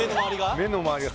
・目の周りが？